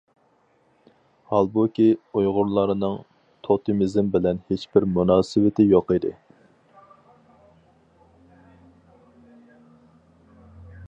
ھالبۇكى ئۇيغۇرلارنىڭ توتېمىزم بىلەن ھېچبىر مۇناسىۋىتى يوق ئىدى.